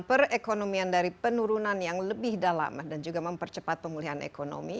perekonomian dari penurunan yang lebih dalam dan juga mempercepat pemulihan ekonomi